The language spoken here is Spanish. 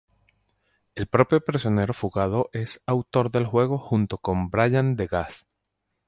El propio prisionero fugado es autor del juego junto con Brian Degas.